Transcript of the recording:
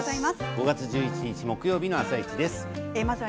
５月１１日のあさイチです。